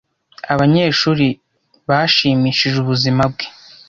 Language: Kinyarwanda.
Abanyeshuri bashimishije ubuzima bwe.